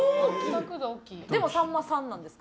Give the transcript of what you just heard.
でも「さんまさん」なんですか？